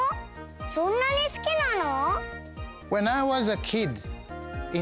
そんなにすきなの？